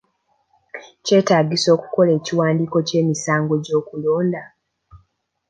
Kyetaagisa okukola ekiwandiiko ky'emisango gy'okulonda?